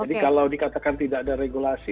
jadi kalau dikatakan tidak ada regulasi